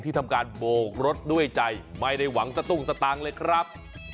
ทำการโบกรถด้วยใจไม่ได้หวังสตุ้งสตางค์เลยครับ